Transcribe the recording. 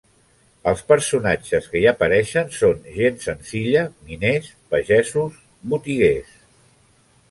Els personatges que hi apareixen són gent senzilla: miners, pagesos, botiguers.